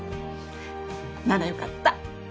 ならよかった。